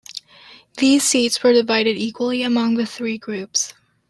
These seats were divided equally among the three groups.